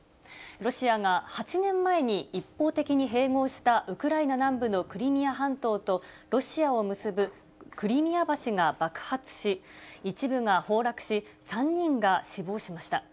ロシアが８年前に一方的に併合したウクライナ南部のクリミア半島と、ロシアを結ぶクリミア橋が爆発し、一部が崩落し、３人が死亡しました。